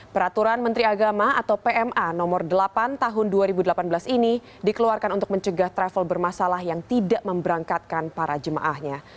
peraturan menteri agama atau pma nomor delapan tahun dua ribu delapan belas ini dikeluarkan untuk mencegah travel bermasalah yang tidak memberangkatkan para jemaahnya